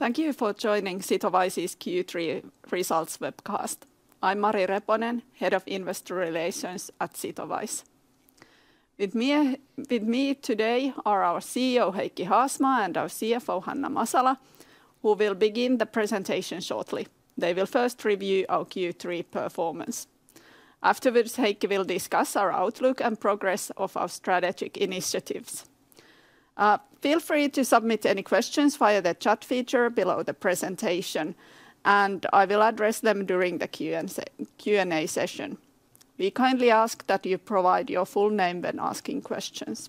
Thank you for joining Sitowise's Q3 Results Webcast. I'm Mari Reponen, Head of Investor Relations at Sitowise. With me today are our CEO, Heikki Haasmaa, and our CFO, Hanna Masala, who will begin the presentation shortly. They will first review our Q3 performance. Afterwards, Heikki will discuss our outlook and progress of our strategic initiatives. Feel free to submit any questions via the chat feature below the presentation, and I will address them during the Q&A session. We kindly ask that you provide your full name when asking questions.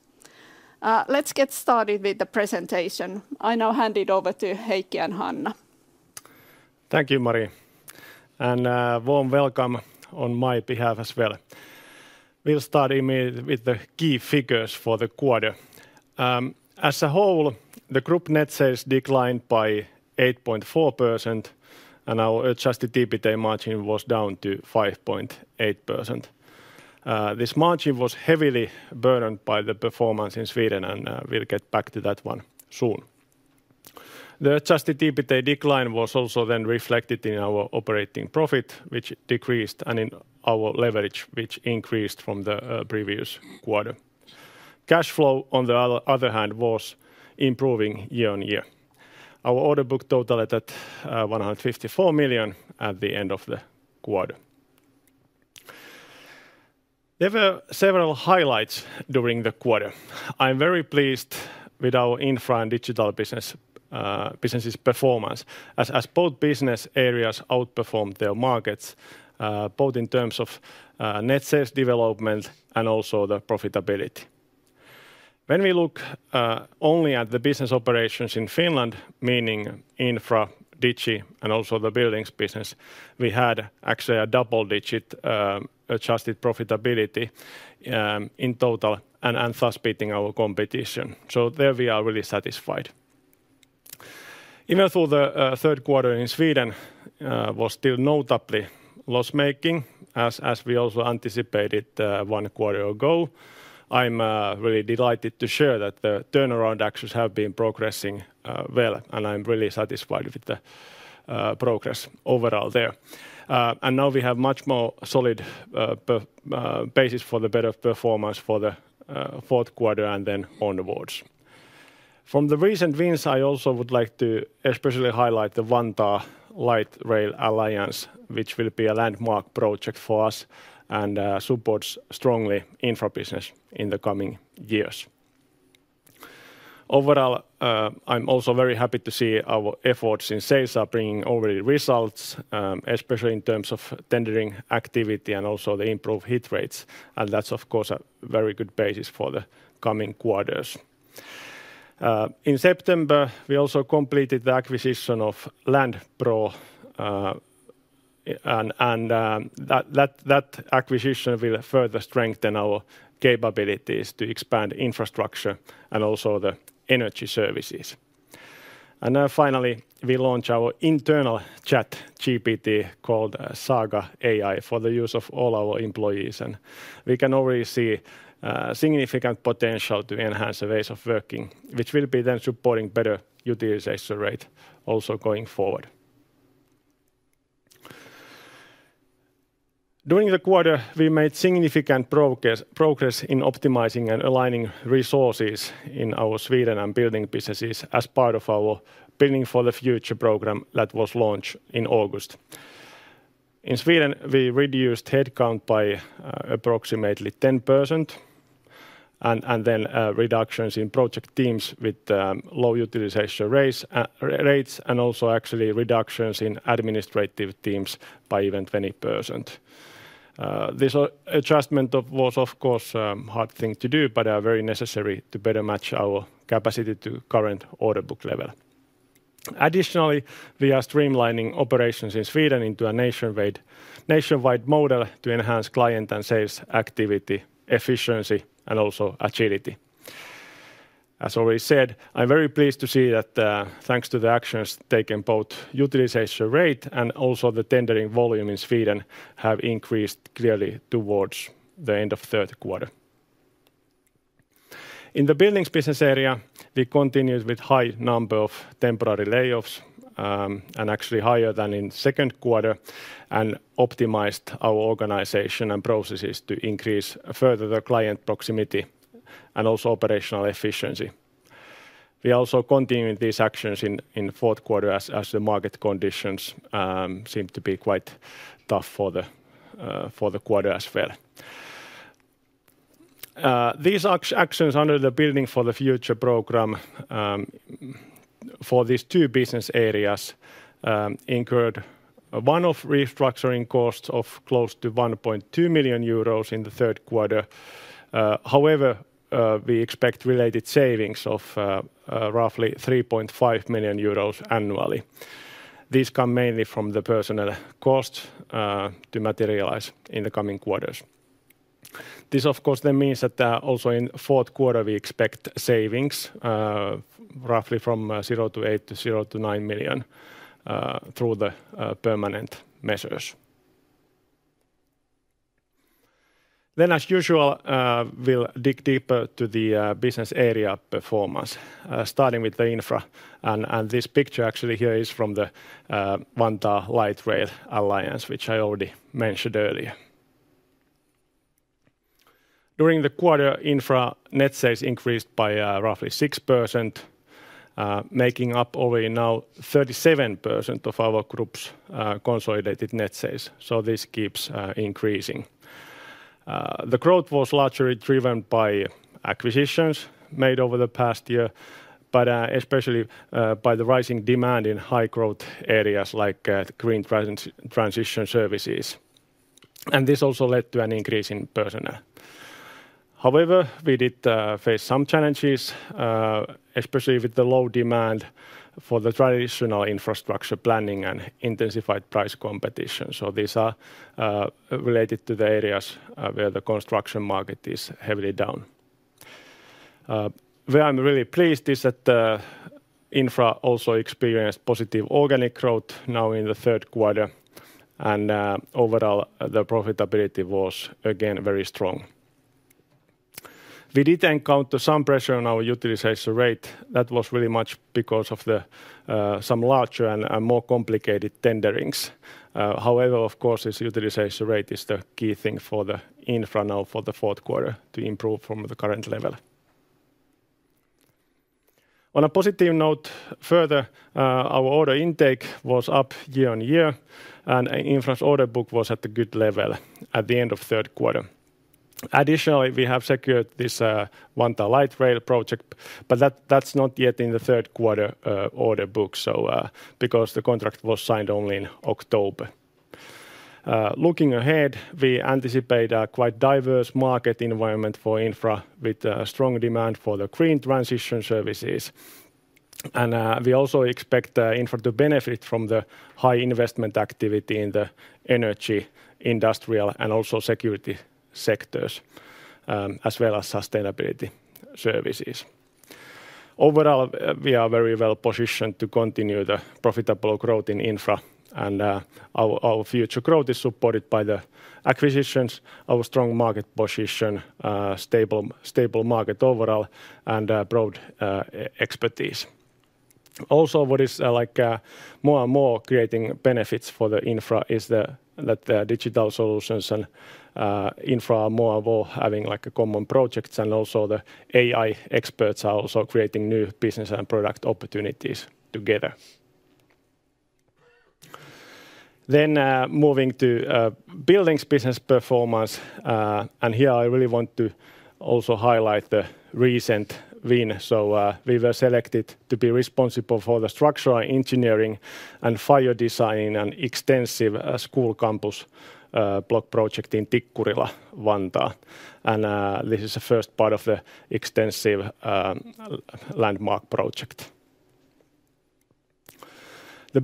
Let's get started with the presentation. I now hand it over to Heikki and Hanna. Thank you, Mari. And warm welcome on my behalf as well. We'll start with the key figures for the quarter. As a whole, the group net sales declined by 8.4%, and our adjusted EBITDA margin was down to 5.8%. This margin was heavily burdened by the performance in Sweden, and we'll get back to that one soon. The adjusted EBITDA decline was also then reflected in our operating profit, which decreased, and in our leverage, which increased from the previous quarter. Cash flow, on the other hand was improving year on year. Our order book totaled 154 million at the end of the quarter. There were several highlights during the quarter. I'm very pleased with our Infra and Digital businesses' performance, as both business areas outperformed their markets, both in terms of net sales development and also the profitability. When we look only at the business operations in Finland, meaning Infra, Digi, and also the Buildings business, we had actually a double-digit adjusted profitability in total, and thus beating our competition, so there we are really satisfied. Even though the Q3 in Sweden was still notably loss-making, as we also anticipated one quarter ago, I'm really delighted to share that the turnaround actions have been progressing well, and I'm really satisfied with the progress overall there, and now we have a much more solid basis for the better performance for the Q4 and then onwards. From the recent wins, I also would like to especially highlight the Vantaa Light Rail Alliance, which will be a landmark project for us and supports strongly Infra business in the coming years. Overall, I'm also very happy to see our efforts in SEISA bringing over the results, especially in terms of tendering activity and also the improved hit rates. And that's, of course, a very good basis for the coming quarters. In September, we also completed the acquisition of LandPro. And that acquisition will further strengthen our capabilities to expand infrastructure and also the energy services. And now finally, we launch our internal ChatGPT called Saga AI for the use of all our employees. And we can already see significant potential to enhance the ways of working, which will be then supporting better utilization rate also going forward. During the quarter, we made significant progress in optimizing and aligning resources in our Sweden and building businesses as part of our Building for the Future program that was launched in August. In Sweden, we reduced headcount by approximately 10% and then reductions in project teams with low utilization rates and also actually reductions in administrative teams by even 20%. This adjustment was, of course, a hard thing to do, but very necessary to better match our capacity to current order book level. Additionally, we are streamlining operations in Sweden into a nationwide model to enhance client and sales activity efficiency and also agility. As already said, I'm very pleased to see that thanks to the actions taken, both utilization rate and also the tendering volume in Sweden have increased clearly towards the end of Q3. In the Buildings business area, we continued with a high number of temporary layoffs and actually higher than in Q2 and optimized our organization and processes to increase further the client proximity and also operational efficiency. We also continued these actions in Q4 as the market conditions seemed to be quite tough for the quarter as well. These actions under the Building for the Future program for these two business areas incurred one-off restructuring costs of close to 1.2 million euros in the Q3. However, we expect related savings of roughly 3.5 million euros annually. These come mainly from the personnel costs to materialize in the coming quarters. This, of course, then means that also in Q4 we expect savings roughly from 0.8-0.9 million through the permanent measures. Then, as usual, we'll dig deeper into the business area performance, starting with the Infra. And this picture actually here is from the Vantaa Light Rail Alliance, which I already mentioned earlier. During the quarter, Infra net sales increased by roughly 6%, making up already now 37% of our group's consolidated net sales. So this keeps increasing. The growth was largely driven by acquisitions made over the past year, but especially by the rising demand in high-growth areas like green transition services. And this also led to an increase in personnel. However, we did face some challenges, especially with the low demand for the traditional infrastructure planning and intensified price competition. So these are related to the areas where the construction market is heavily down. Where I'm really pleased is that the Infra also experienced positive organic growth now in the Q3. And overall, the profitability was again very strong. We did encounter some pressure on our utilization rate. That was really much because of some larger and more complicated tenderings. However, of course, this utilization rate is the key thing for the Infra now for the Q4 to improve from the current level. On a positive note further, our order intake was up year on year, and Infra's order book was at a good level at the end of Q3. Additionally, we have secured this Vantaa Light Rail project, but that's not yet in the Q3 order book because the contract was signed only in October. Looking ahead, we anticipate a quite diverse market environment for Infra with strong demand for the green transition services, and we also expect Infra to benefit from the high investment activity in the energy, industrial and also security sectors, as well as sustainability services. Overall, we are very well positioned to continue the profitable growth in Infra. Our future growth is supported by the acquisitions, our strong market position, stable market overall, and broad expertise. Also, what is more and more creating benefits for the Infra is that Digital Solutions and Infra are more and more having common projects, and also the AI experts are also creating new business and product opportunities together. Then moving to Buildings Business performance. And here I really want to also highlight the recent win. So we were selected to be responsible for the structural engineering and fire design and extensive school campus block project in Tikkurila, Vantaa. And this is the first part of the extensive landmark project. The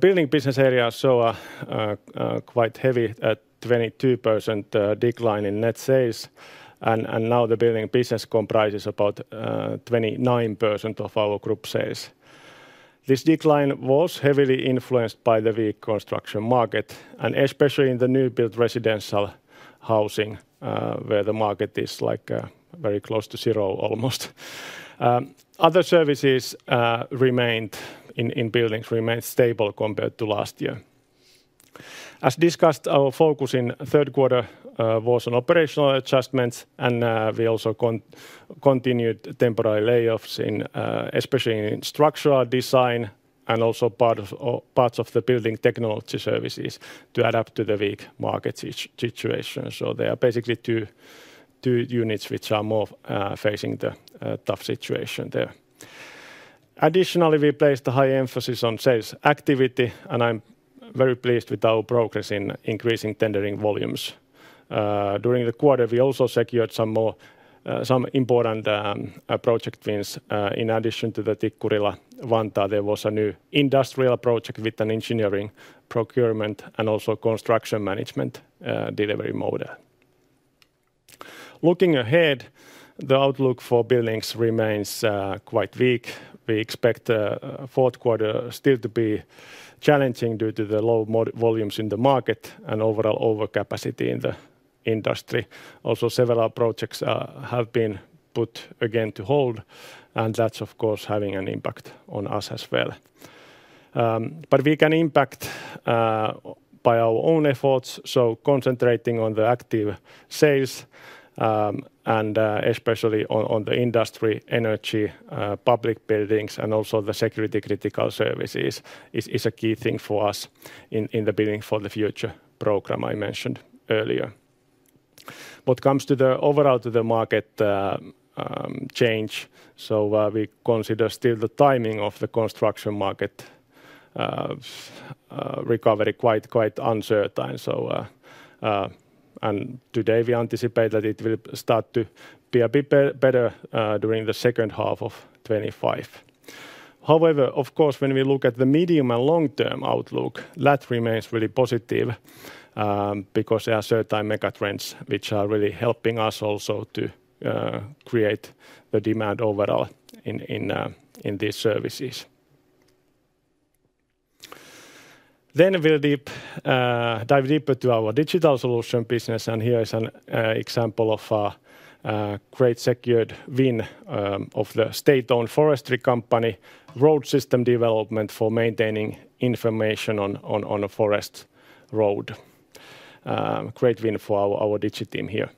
Building Business area saw a quite heavy 22% decline in net sales. And now the Building Business comprises about 29% of our group sales. This decline was heavily influenced by the weak construction market, and especially in the new-build residential housing, where the market is very close to zero almost. Other services remained in buildings stable compared to last year. As discussed, our focus in Q3 was on operational adjustments, and we also continued temporary layoffs, especially in structural design and also parts of the building technology services to adapt to the weak market situation. So there are basically two units which are more facing the tough situation there. Additionally, we placed a high emphasis on sales activity, and I'm very pleased with our progress in increasing tendering volumes. During the quarter, we also secured some important project wins. In addition to the Tikkurila-Vantaa, there was a new industrial project with an engineering procurement and also construction management delivery model. Looking ahead, the outlook for buildings remains quite weak. We expect the Q4 still to be challenging due to the low volumes in the market and overall overcapacity in the industry. Also, several projects have been put again to hold, and that's, of course, having an impact on us as well, but we can impact by our own efforts, so concentrating on the active sales, and especially on the industry, energy, public buildings, and also the security-critical services is a key thing for us in the Building for the Future program I mentioned earlier. What comes overall to the market change, so we consider still the timing of the construction market recovery quite uncertain, and today we anticipate that it will start to be a bit better during the H2 of 2025. However, of course, when we look at the medium and long-term outlook, that remains really positive because there are certain megatrends which are really helping us also to create the demand overall in these services. Then we'll dive deeper to our digital solution business, and here is an example of a great secured win of the state-owned forestry company, road system development for maintaining information on a forest road. Great win for our Digi team here.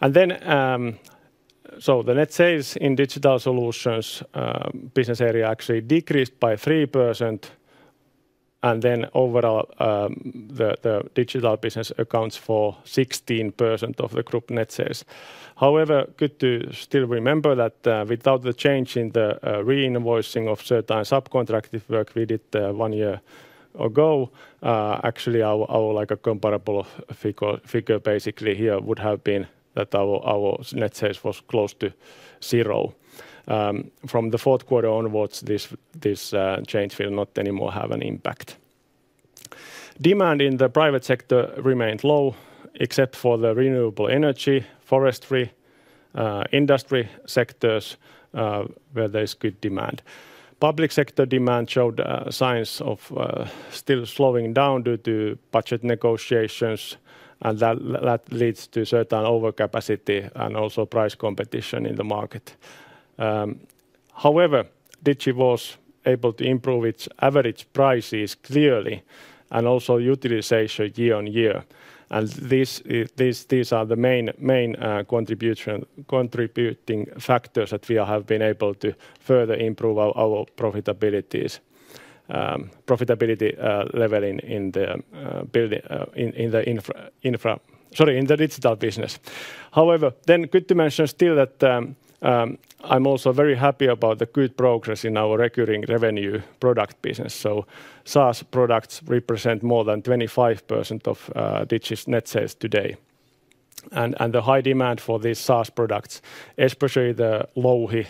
And then, so the net sales in Digital solutions business area actually decreased by 3%, and then overall the Digital business accounts for 16% of the group net sales. However, good to still remember that without the change in the reinvoicing of certain subcontracting work we did one year ago, actually our comparable figure basically here would have been that our net sales was close to zero. From the Q4 onwards, this change will not anymore have an impact. Demand in the private sector remained low, except for the renewable energy, forestry, industry sectors where there is good demand. Public sector demand showed signs of still slowing down due to budget negotiations, and that leads to certain overcapacity and also price competition in the market. However, digital was able to improve its average prices clearly and also utilization year on year, and these are the main contributing factors that we have been able to further improve our profitability level in the Infra, sorry, in the Digital business. However, then good to mention still that I'm also very happy about the good progress in our recurring revenue product business, so SaaS products represent more than 25% of digital's net sales today. The high demand for these SaaS products, especially the Louhi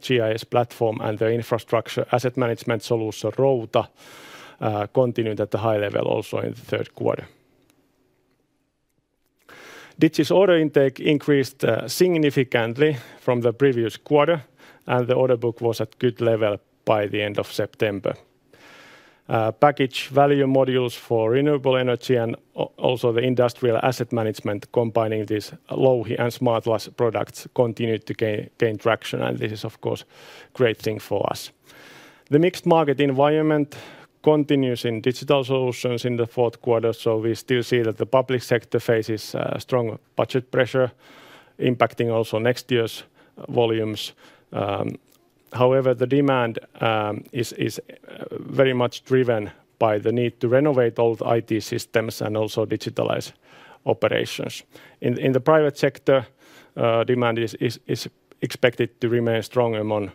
GIS platform and the infrastructure asset management solution Routa, continued at a high level also in the Q3. Digital's order intake increased significantly from the previous quarter, and the order book was at good level by the end of September. Package value modules for renewable energy and also the industrial asset management combining these Louhi and Smartlas products continued to gain traction, and this is, of course, a great thing for us. The mixed market environment continues in Digital Solutions in the Q4, so we still see that the public sector faces strong budget pressure impacting also next year's volumes. However, the demand is very much driven by the need to renovate old IT systems and also digitalize operations. In the private sector, demand is expected to remain strong among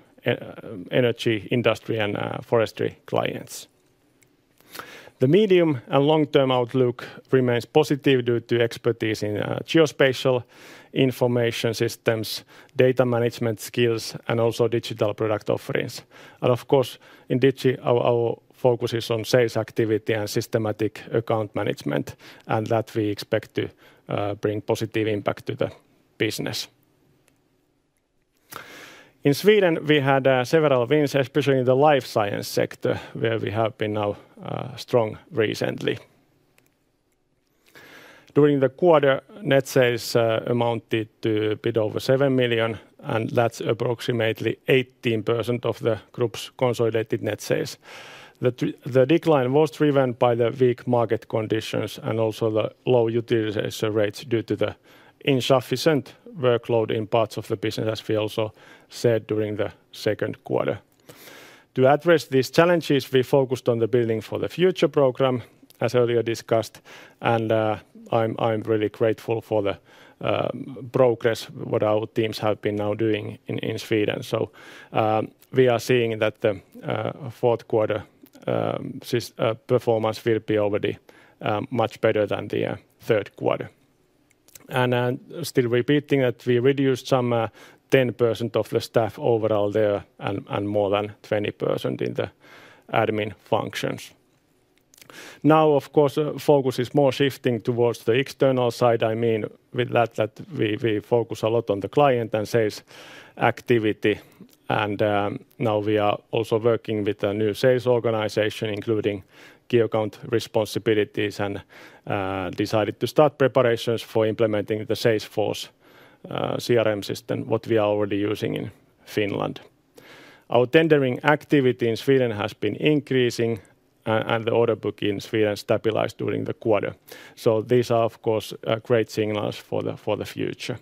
energy industry and forestry clients. The medium and long-term outlook remains positive due to expertise in geospatial information systems, data management skills, and also digital product offerings, and of course, in Digi, our focus is on sales activity and systematic account management, and that we expect to bring positive impact to the business. In Sweden, we had several wins, especially in the life science sector, where we have been now strong recently. During the quarter, net sales amounted to a bit over 7 million, and that's approximately 18% of the group's consolidated net sales. The decline was driven by the weak market conditions and also the low utilization rates due to the insufficient workload in parts of the business, as we also said during the Q2. To address these challenges, we focused on the Building for the Future program, as earlier discussed, and I'm really grateful for the progress that our teams have been now doing in Sweden. We are seeing that the Q4 performance will be already much better than the Q3. Still repeating that we reduced some 10% of the staff overall there and more than 20% in the admin functions. Now, of course, focus is more shifting towards the external side. I mean with that we focus a lot on the client and sales activity. Now we are also working with a new sales organization, including key account responsibilities, and decided to start preparations for implementing the Salesforce CRM system that we are already using in Finland. Our tendering activity in Sweden has been increasing, and the order book in Sweden stabilized during the quarter. So these are, of course, great signals for the future.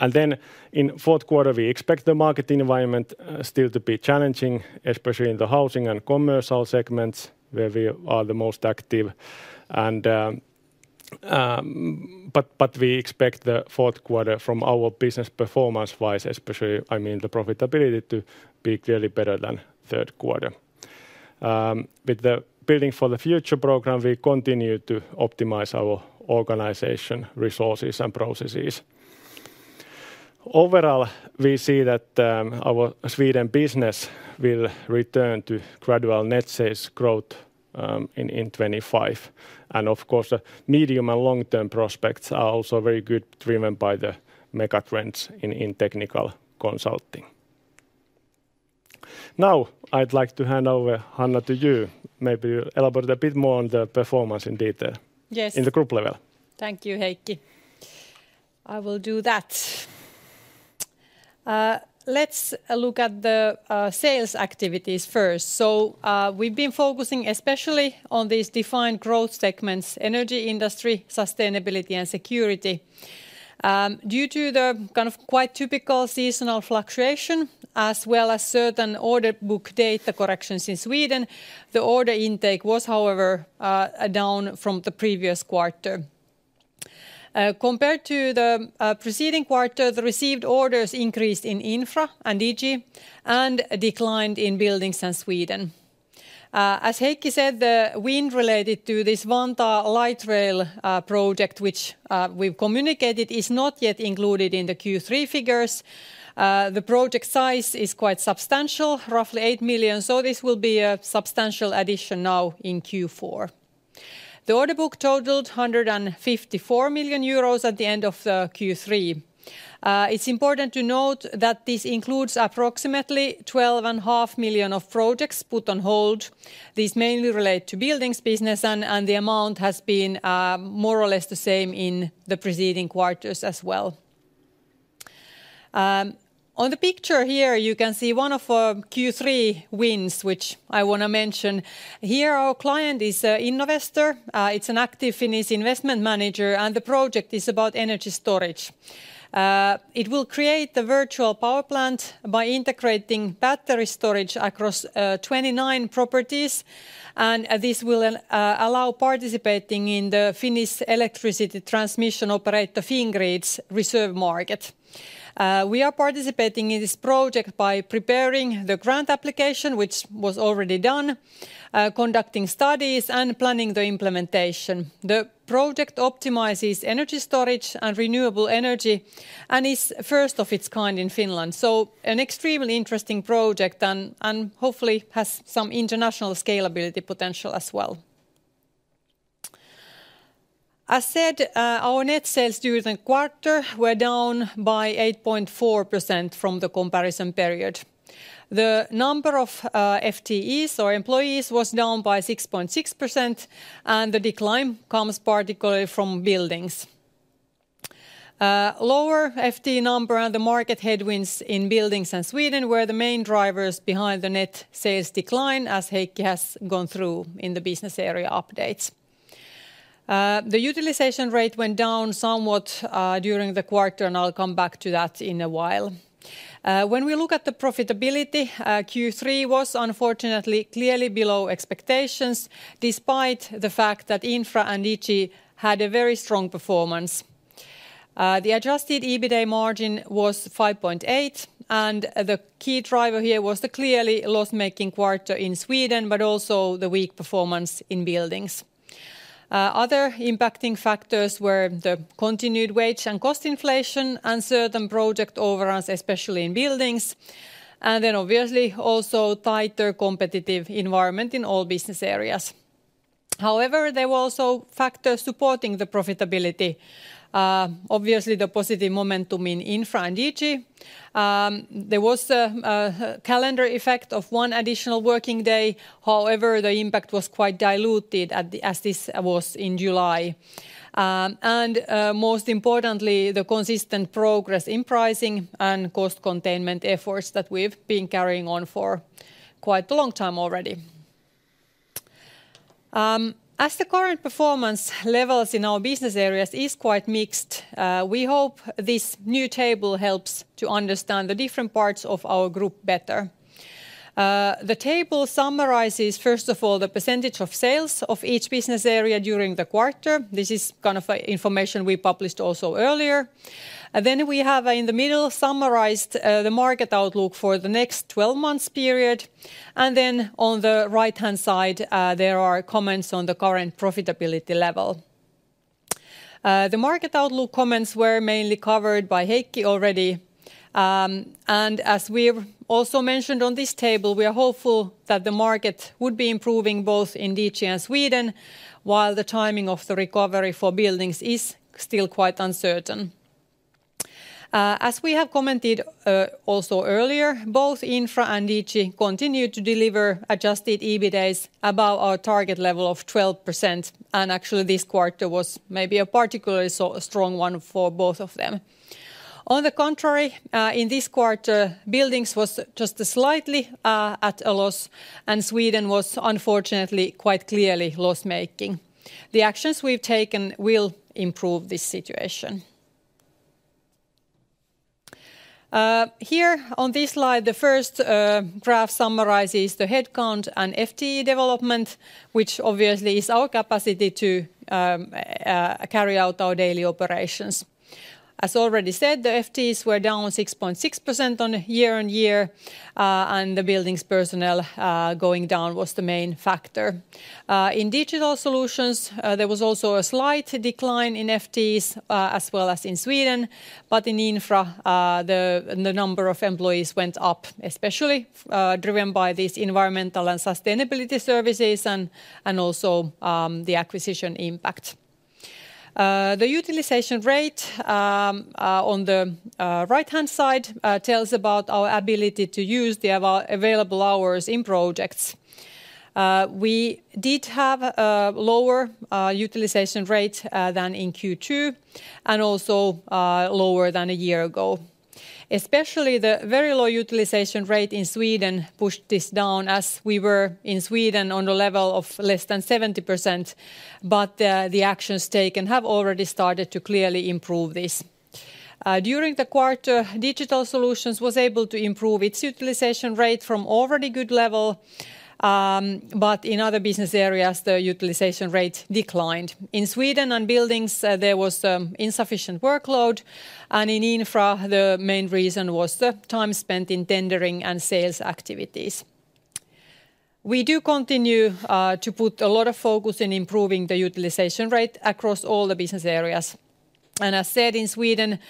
And then in Q4, we expect the market environment still to be challenging, especially in the housing and commercial segments, where we are the most active. But we expect the Q4 from our business performance-wise, especially I mean the profitability to be clearly better than Q3. With the Building for the Future program, we continue to optimize our organization resources and processes. Overall, we see that our Sweden business will return to gradual net sales growth in 2025. And of course, the medium and long-term prospects are also very good, driven by the megatrends in technical consulting. Now, I'd like to hand over to Hanna. Maybe you elaborate a bit more on the performance in detail in the group level. Yes. Thank you, Heikki. I will do that. Let's look at the sales activities first. We've been focusing especially on these defined growth segments: Energy industry, Sustainability, and Security. Due to the kind of quite typical seasonal fluctuation, as well as certain order book data corrections in Sweden, the order intake was, however, down from the previous quarter. Compared to the preceding quarter, the received orders increased in Infra and Digi and declined in Buildings and Sweden. As Heikki said, the win related to this Vantaa Light Rail project, which we've communicated, is not yet included in the Q3 figures. The project size is quite substantial, roughly 8 million, so this will be a substantial addition now in Q4. The order book totaled 154 million euros at the end of Q3. It's important to note that this includes approximately 12.5 million projects put on hold. These mainly relate to Buildings business, and the amount has been more or less the same in the preceding quarters as well. On the picture here, you can see one of our Q3 wins, which I want to mention. Here our client is Innovestor. It's an active Finnish investment manager, and the project is about energy storage. It will create a virtual power plant by integrating battery storage across 29 properties, and this will allow participating in the Finnish electricity transmission operator Fingrid's reserve market. We are participating in this project by preparing the grant application, which was already done, conducting studies, and planning the implementation. The project optimizes energy storage and renewable energy and is first of its kind in Finland. So an extremely interesting project and hopefully has some international scalability potential as well. As said, our net sales during the quarter were down by 8.4% from the comparison period. The number of FTEs, or employees, was down by 6.6%, and the decline comes particularly from Buildings. Lower FTE number and the market headwinds in Buildings and Sweden were the main drivers behind the net sales decline, as Heikki has gone through in the business area updates. The utilization rate went down somewhat during the quarter, and I'll come back to that in a while. When we look at the profitability, Q3 was unfortunately clearly below expectations, despite the fact that Infra and Digi had a very strong performance. The adjusted EBITDA margin was 5.8%, and the key driver here was the clearly loss-making quarter in Sweden, but also the weak performance in Buildings. Other impacting factors were the continued wage and cost inflation and certain project overruns, especially in Buildings, and then obviously also tighter competitive environment in all business areas. However, there were also factors supporting the profitability, obviously the positive momentum in Infra and Digi. There was a calendar effect of one additional working day. However, the impact was quite diluted as this was in July, and most importantly, the consistent progress in pricing and cost containment efforts that we've been carrying on for quite a long time already. As the current performance levels in our business areas are quite mixed, we hope this new table helps to understand the different parts of our group better. The table summarizes, first of all, the percentage of sales of each business area during the quarter. This is kind of information we published also earlier. Then we have in the middle summarized the market outlook for the next 12 months period, and then on the right-hand side, there are comments on the current profitability level. The market outlook comments were mainly covered by Heikki already, and as we've also mentioned on this table, we are hopeful that the market would be improving both in Digi and Sweden, while the timing of the recovery for Buildings is still quite uncertain. As we have commented also earlier, both Infra and Digi continue to deliver adjusted EBITDA above our target level of 12%, and actually this quarter was maybe a particularly strong one for both of them. On the contrary, in this quarter, Buildings was just slightly at a loss, and Sweden was unfortunately quite clearly loss-making. The actions we've taken will improve this situation. Here on this slide, the first graph summarizes the headcount and FTE development, which obviously is our capacity to carry out our daily operations. As already said, the FTEs were down 6.6% year-on-year, and the Buildings' personnel going down was the main factor. In Digital Solutions, there was also a slight decline in FTEs as well as in Sweden, but in Infra, the number of employees went up, especially driven by these environmental and sustainability services and also the acquisition impact. The utilization rate on the right-hand side tells about our ability to use the available hours in projects. We did have a lower utilization rate than in Q2 and also lower than a year ago. Especially the very low utilization rate in Sweden pushed this down, as we were in Sweden on the level of less than 70%, but the actions taken have already started to clearly improve this. During the quarter, Digital Solutions were able to improve its utilization rate from already good level, but in other business areas, the utilization rate declined. In Sweden and Buildings, there was insufficient workload, and in Infra, the main reason was the time spent in tendering and sales activities. We do continue to put a lot of focus in improving the utilization rate across all the business areas. And as said in Sweden,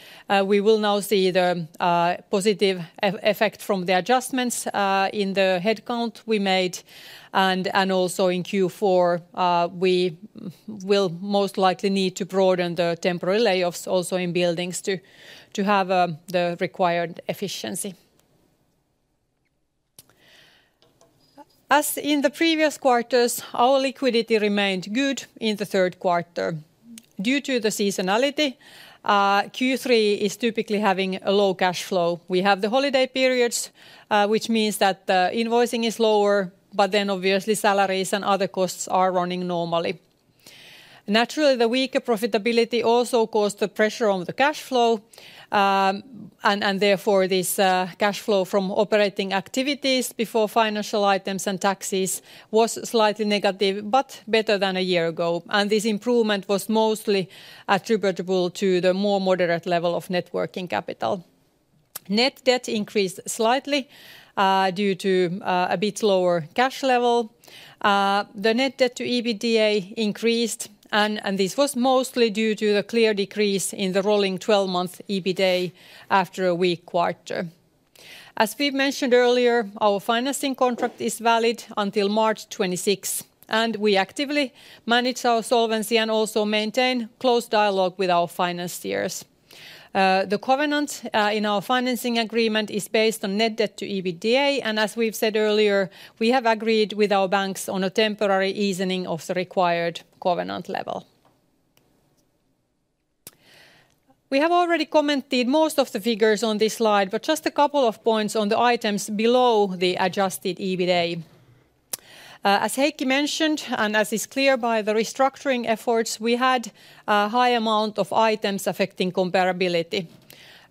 we will now see the positive effect from the adjustments in the headcount we made, and also in Q4, we will most likely need to broaden the temporary layoffs also in Buildings to have the required efficiency. As in the previous quarters, our liquidity remained good in the Q3. Due to the seasonality, Q3 is typically having a low cash flow. We have the holiday periods, which means that the invoicing is lower, but then obviously salaries and other costs are running normally. Naturally, the weaker profitability also caused the pressure on the cash flow, and therefore this cash flow from operating activities before financial items and taxes was slightly negative, but better than a year ago. And this improvement was mostly attributable to the more moderate level of working capital. Net debt increased slightly due to a bit lower cash level. The net debt to EBITDA increased, and this was mostly due to the clear decrease in the rolling 12-month EBITDA after a weak quarter. As we've mentioned earlier, our financing contract is valid until March 2026, and we actively manage our solvency and also maintain close dialogue with our financiers. The covenant in our financing agreement is based on net debt to EBITDA, and as we've said earlier, we have agreed with our banks on a temporary easing of the required covenant level. We have already commented most of the figures on this slide, but just a couple of points on the items below the adjusted EBITDA. As Heikki mentioned, and as is clear by the restructuring efforts, we had a high amount of items affecting comparability.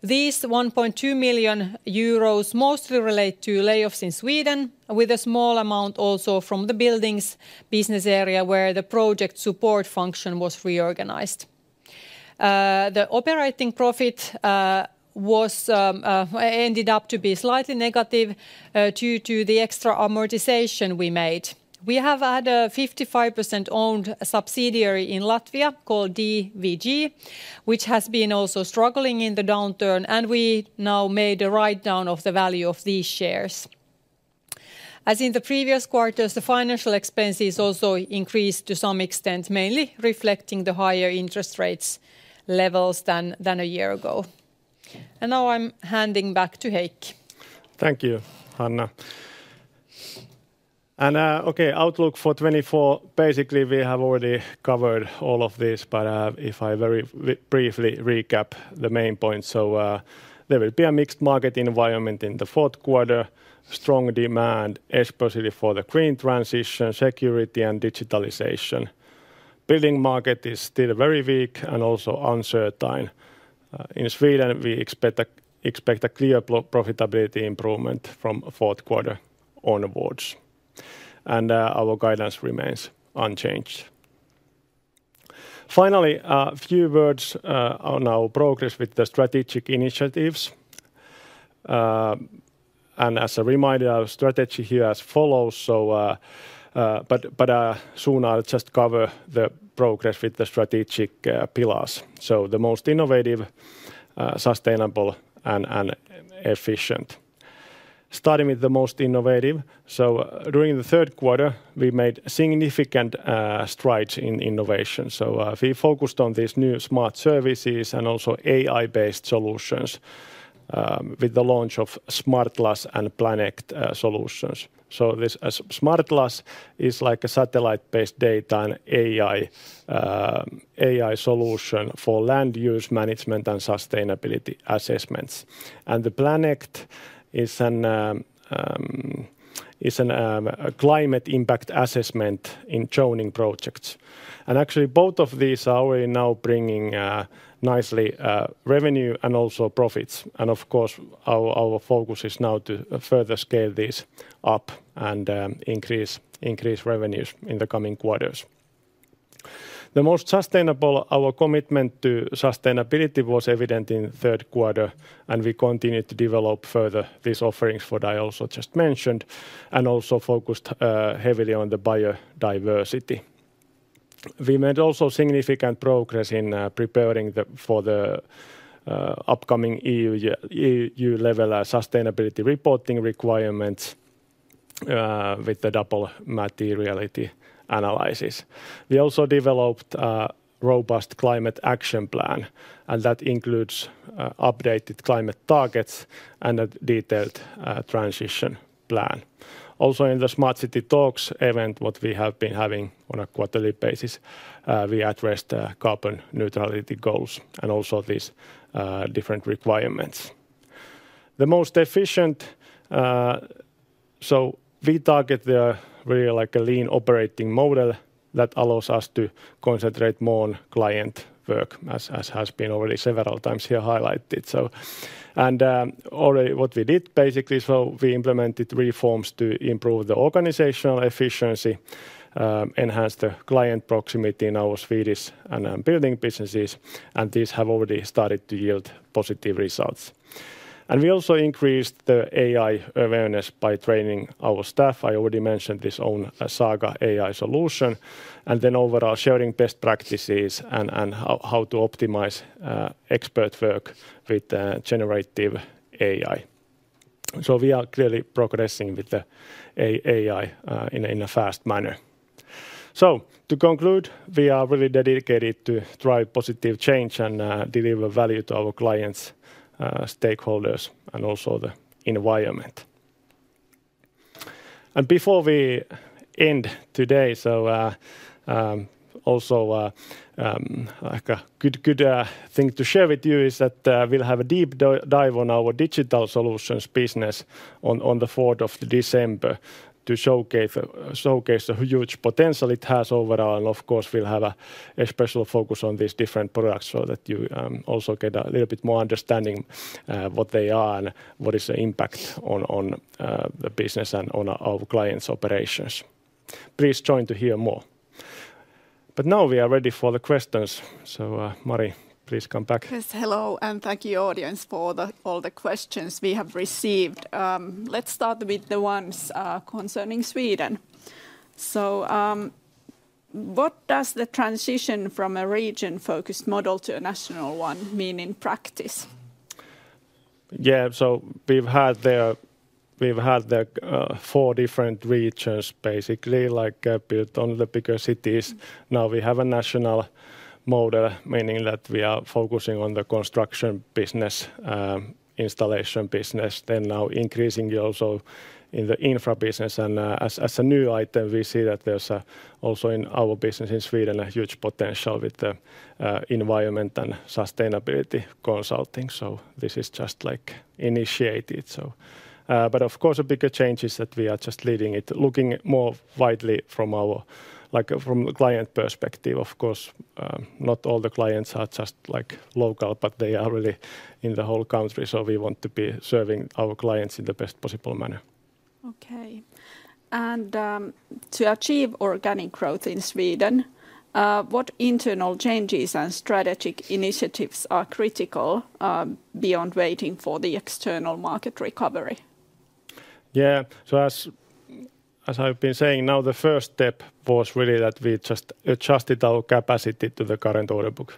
These 1.2 million euros mostly relate to layoffs in Sweden, with a small amount also from the BBuildings business area where the project support function was reorganized. The operating profit ended up to be slightly negative due to the extra amortization we made. We have had a 55% owned subsidiary in Latvia called DWG, which has been also struggling in the downturn, and we now made a write-down of the value of these shares. As in the previous quarters, the financial expenses also increased to some extent, mainly reflecting the higher interest rates levels than a year ago. And now I'm handing back to Heikki. Thank you, Hanna. And okay, outlook for 2024, basically we have already covered all of this, but if I very briefly recap the main points. So there will be a mixed market environment in the Q4, strong demand, especially for the green transition, security, and digitalization. Building market is still very weak and also uncertain. In Sweden, we expect a clear profitability improvement from the Q4 onwards. And our guidance remains unchanged. Finally, a few words on our progress with the strategic initiatives. And as a reminder, our strategy here as follows, but soon I'll just cover the progress with the strategic pillars. So the most innovative, sustainable, and efficient. Starting with the most innovative, so during the Q3, we made significant strides in innovation. So we focused on these new smart services and also AI-based solutions with the launch of Smartlas and Planect solutions. So Smartlas is like a satellite-based data and AI solution for land use management and sustainability assessments. And the Planect is a climate impact assessment in zoning projects. And actually, both of these are already now bringing nicely revenue and also profits. And of course, our focus is now to further scale these up and increase revenues in the coming quarters. The most sustainable. Our commitment to sustainability was evident in the Q3, and we continued to develop further these offerings for infrastructure, as I also just mentioned, and also focused heavily on the biodiversity. We made also significant progress in preparing for the upcoming EU level sustainability reporting requirements with the double materiality analysis. We also developed a robust climate action plan, and that includes updated climate targets and a detailed transition plan. Also in the Smart City Talks event, what we have been having on a quarterly basis, we addressed the carbon neutrality goals and also these different requirements. The most efficient, so we target the really like a lean operating model that allows us to concentrate more on client work, as has been already several times here highlighted. And already, what we did basically, so we implemented reforms to improve the organizational efficiency, enhance the client proximity in our Swedish and building businesses, and these have already started to yield positive results. And we also increased the AI awareness by training our staff. I already mentioned this own Saga AI solution, and then overall sharing best practices and how to optimize expert work with generative AI. So we are clearly progressing with the AI in a fast manner. So to conclude, we are really dedicated to drive positive change and deliver value to our clients, stakeholders, and also the environment. And before we end today, so also a good thing to share with you is that we'll have a deep dive on our Digital Solutions business on the 4th of December to showcase the huge potential it has overall. And of course, we'll have a special focus on these different products so that you also get a little bit more understanding of what they are and what is the impact on the business and on our clients' operations. Please join to hear more. But now we are ready for the questions. So Mari, please come back. Yes, hello, and thank you, audience, for all the questions we have received. Let's start with the ones concerning Sweden. So what does the transition from a region-focused model to a national one mean in practice? Yeah, so we've had there four different regions basically, like built on the bigger cities. Now we have a national model, meaning that we are focusing on the Construction business, Installation business, then now increasing also in the Infra business. As a new item, we see that there's also in our business in Sweden a huge potential with the environment and sustainability consulting. This is just like initiated. Of course, the bigger change is that we are just leading it, looking more widely from our client perspective. Of course, not all the clients are just like local, but they are really in the whole country. We want to be serving our clients in the best possible manner. Okay. To achieve organic growth in Sweden, what internal changes and strategic initiatives are critical beyond waiting for the external market recovery? Yeah, as I've been saying, now the first step was really that we just adjusted our capacity to the current order book.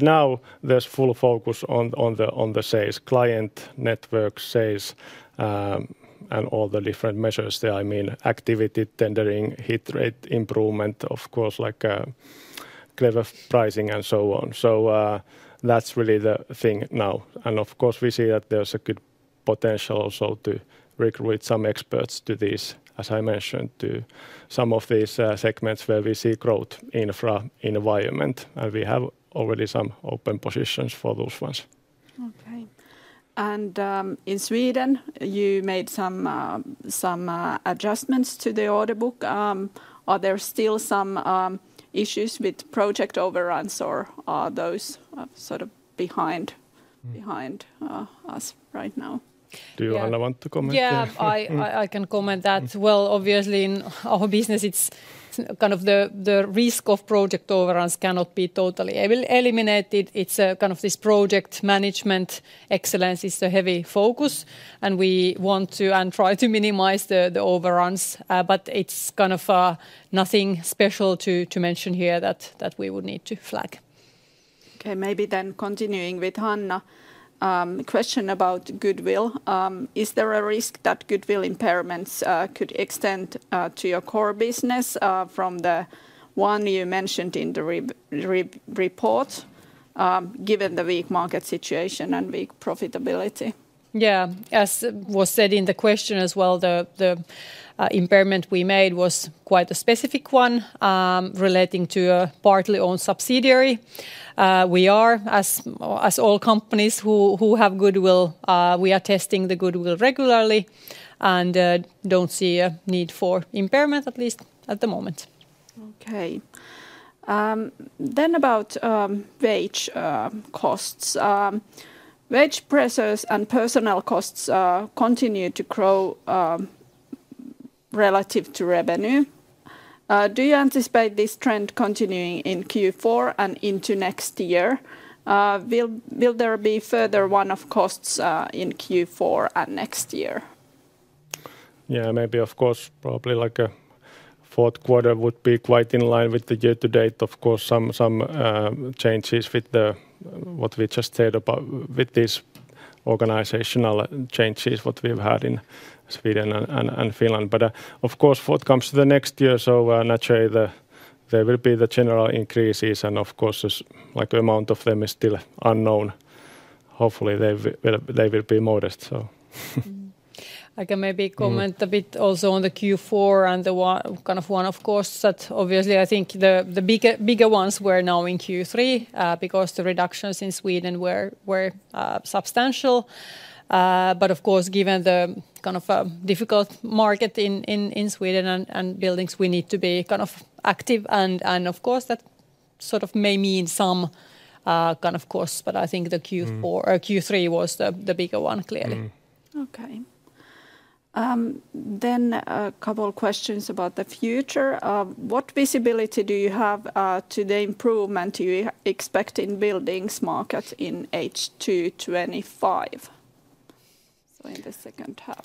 Now there's full focus on the sales, client network sales, and all the different measures. I mean, activity, tendering, hit rate improvement, of course, like clever pricing and so on. So that's really the thing now. And of course, we see that there's a good potential also to recruit some experts to these, as I mentioned, to some of these segments where we see growth in Infra environment. And we have already some open positions for those ones. Okay. And in Sweden, you made some adjustments to the order book. Are there still some issues with project overruns or are those sort of behind us right now? Do you, Hanna, want to comment? Yeah, I can comment that. Well, obviously, in our business, it's kind of the risk of project overruns cannot be totally eliminated. It's kind of this project management excellence is the heavy focus. And we want to and try to minimize the overruns. But it's kind of nothing special to mention here that we would need to flag. Okay, maybe then continuing with Hanna. Question about goodwill. Is there a risk that goodwill impairments could extend to your core business from the one you mentioned in the report, given the weak market situation and weak profitability? Yeah, as was said in the question as well, the impairment we made was quite a specific one relating to a partly owned subsidiary. We are, as all companies who have goodwill, we are testing the goodwill regularly and don't see a need for impairment, at least at the moment. Okay. Then about wage costs. Wage pressures and personnel costs continue to grow relative to revenue. Do you anticipate this trend continuing in Q4 and into next year? Will there be further one-off costs in Q4 and next year? Yeah, maybe, of course, probably like a Q4 would be quite in line with the year-to-date, of course, some changes with what we just said about with these organizational changes what we've had in Sweden and Finland. But of course, what comes to the next year, so naturally there will be the general increases and of course the amount of them is still unknown. Hopefully they will be modest. I can maybe comment a bit also on the Q4 and the kind of one-off costs that obviously I think the bigger ones were now in Q3 because the reductions in Sweden were substantial. But of course, given the kind of difficult market in Sweden and Buildings, we need to be kind of active. And of course, that sort of may mean some kind of costs, but I think the Q4 or Q3 was the bigger one clearly. Okay. Then a couple of questions about the future. What visibility do you have to the improvement you expect in Buildings market in H2 2025? So in the H2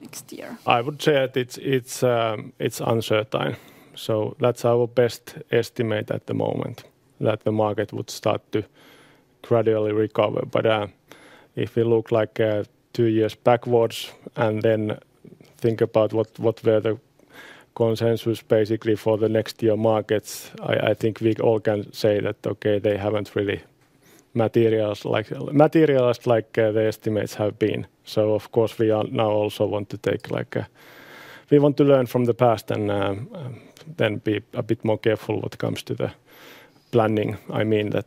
next year. I would say that it's uncertain. So that's our best estimate at the moment that the market would start to gradually recover. But if we look like two years backwards and then think about what were the consensus basically for the next year markets, I think we all can say that, okay, they haven't really materialized like the estimates have been. So of course, we now also want to take, like, we want to learn from the past and then be a bit more careful what comes to the planning. I mean that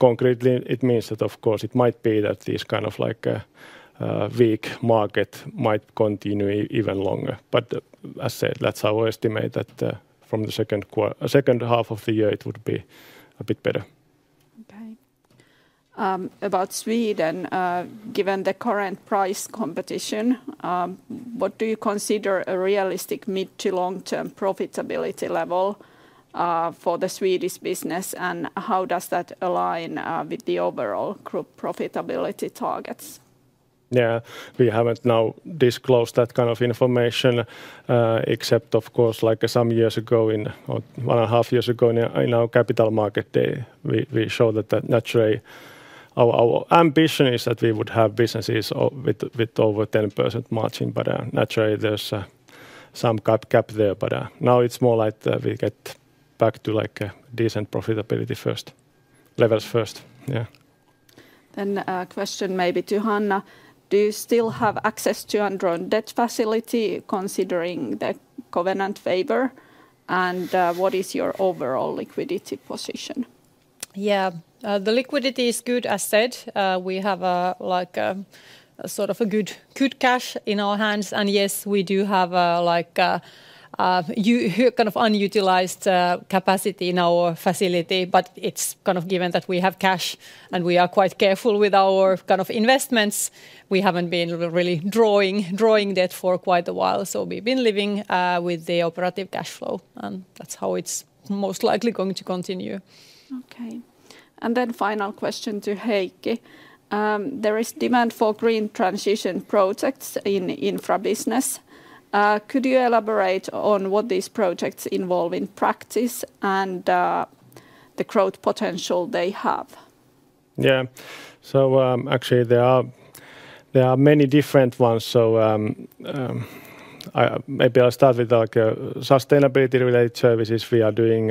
concretely it means that of course it might be that these kind of like a weak market might continue even longer. But as I said, that's our estimate that from the second half of the year it would be a bit better. Okay. About Sweden, given the current price competition, what do you consider a realistic mid to long-term profitability level for the Swedish business and how does that align with the overall group profitability targets? Yeah, we haven't now disclosed that kind of information except of course like some years ago or one and a half years ago in our capital market day we showed that naturally our ambition is that we would have businesses with over 10% margin but naturally there's some gap there but now it's more like we get back to like a decent profitability first levels first. Yeah. Then a question maybe to Hanna. Do you still have access to a drawn debt facility considering the covenant waiver and what is your overall liquidity position? Yeah, the liquidity is good as said. We have like a sort of a good cash in our hands and yes we do have like a kind of unutilized capacity in our facility but it's kind of given that we have cash and we are quite careful with our kind of investments. We haven't been really drawing debt for quite a while so we've been living with the operative cash flow and that's how it's most likely going to continue. Okay. And then final question to Heikki. There is demand for green transition projects in Infra business. Could you elaborate on what these projects involve in practice and the growth potential they have? Yeah, so actually there are many different ones. So maybe I'll start with like sustainability-related services. We are doing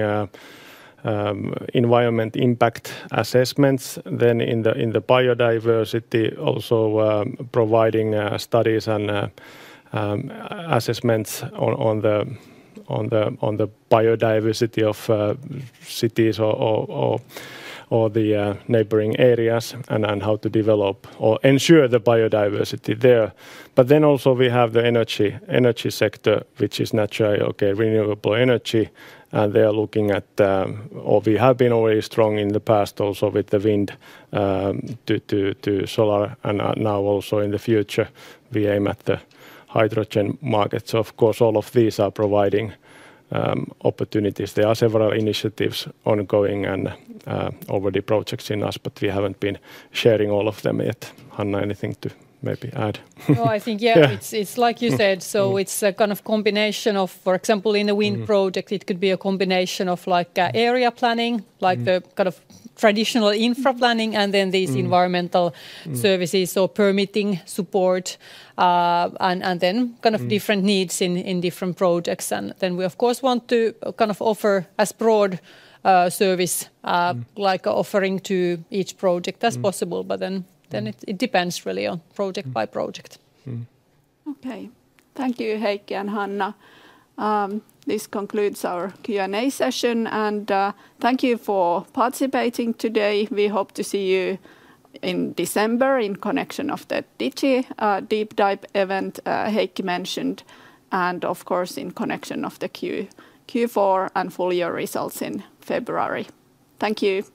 environmental impact assessments. Then, in the biodiversity, also providing studies and assessments on the biodiversity of cities or the neighboring areas and how to develop or ensure the biodiversity there. But then also we have the energy sector, which is naturally okay, renewable energy, and they are looking at or we have been already strong in the past also with the wind, too, solar, and now also in the future we aim at the hydrogen market. So of course all of these are providing opportunities. There are several initiatives ongoing and already projects in the US, but we haven't been sharing all of them yet. Hanna, anything to maybe add? No, I think yeah, it's like you said. So it's a kind of combination of, for example, in the wind project, it could be a combination of like area planning, like the kind of traditional Infra planning, and then these environmental services or permitting support and then kind of different needs in different projects. And then we, of course, want to kind of offer as broad service like offering to each project as possible. But then it depends really on project by project. Okay. Thank you, Heikki and Hanna. This concludes our Q&A session and thank you for participating today. We hope to see you in December in connection of the Digi Deep Dive event, Heikki mentioned and of course in connection of the Q4 and full year results in February. Thank you.